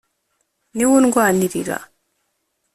Ni we undwanirira